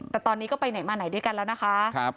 แต่ตอนนี้ก็ไปไหนมาไหนด้วยกันแล้วนะคะ